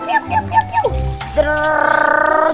tahap perkembangan hewan